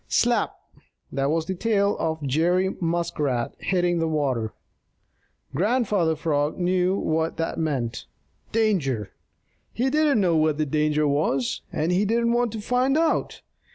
Slap! That was the tail of Jerry Muskrat hitting the water. Grandfather Frog knew what that meant danger! He didn't know what the danger was, and he didn't wait to find out.